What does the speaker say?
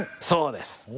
そうです！